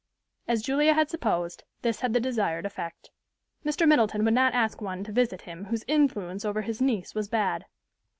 As Julia had supposed, this had the desired effect. Mr. Middleton would not ask one to visit him whose influence over his niece was bad.